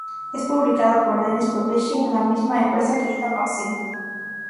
Es publicada por Dennis Publishing, la misma empresa que edita "Maxim".